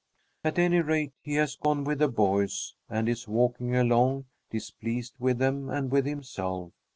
At any rate, he has gone with the boys and is walking along, displeased with them and with himself.